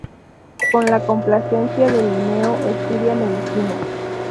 Con la complacencia de Linneo, estudia medicina.